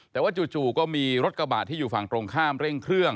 แต่ว่าจู่ก็มีรถกระบะที่อยู่ฝั่งตรงข้ามเร่งเครื่อง